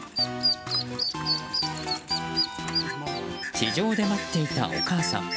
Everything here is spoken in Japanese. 地上で待っていたお母さん。